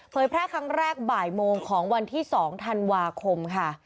แพร่ครั้งแรกบ่ายโมงของวันที่๒ธันวาคมค่ะ